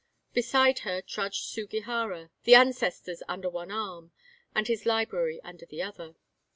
Beside her trudged Sugihara, the ancestors under one arm, and his library under the other.